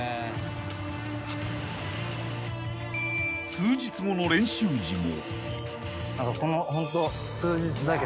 ［数日後の練習時も］